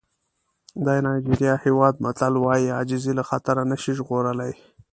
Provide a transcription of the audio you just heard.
د نایجېریا هېواد متل وایي عاجزي له خطر نه شي ژغورلی.